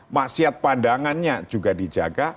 maksiat pandangannya juga dijaga